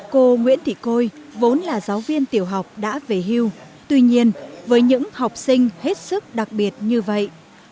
cô nguyễn thị côi vốn là giáo viên tiểu học đã về hưu tuy nhiên với những học sinh hết sức đặc biệt như vậy